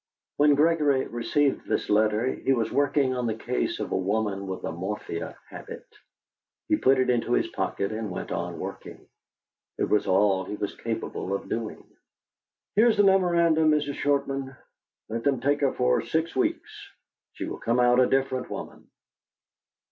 When Gregory received this letter he was working on the case of a woman with the morphia habit. He put it into his pocket and went on working. It was all he was capable of doing. "Here is the memorandum, Mrs. Shortman. Let them take her for six weeks. She will come out a different woman."